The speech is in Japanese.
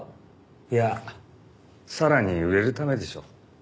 いやさらに売れるためでしょう。